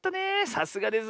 さすがです。